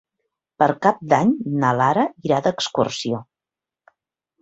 Per Cap d'Any na Lara irà d'excursió.